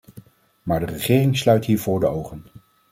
Maar de regering sluit hiervoor de ogen.